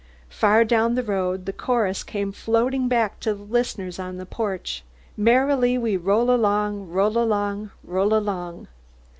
Far down the road the chorus came floating back to the listeners on the porch, "Merrily we roll along, roll along, roll along."